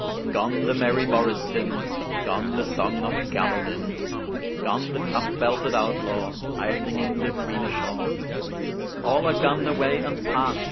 Gone, the merry morris din; Gone, the song of Gamelyn; Gone, the tough belted outlaw Idling in the "grene shawe"; All are gone away and past!